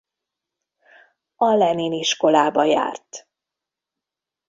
A Lenin Iskolába járt.